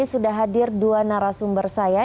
sudah hadir dua narasumber saya